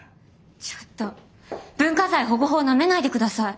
ちょっと文化財保護法なめないでください。